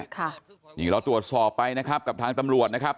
ค่ะนี่เราตรวจสอบไปนะครับกับทางตำรวจนะครับ